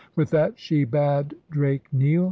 With that she bade Drake kneel.